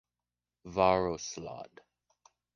Varoslod.